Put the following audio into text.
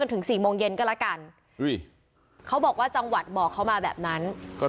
ที่นี่เขายังบอกนะในนิโคม